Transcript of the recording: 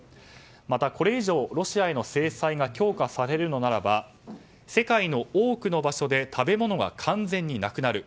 また、これ以上ロシアへの制裁が強化されるのならば世界の多くの場所で食べ物が完全になくなる。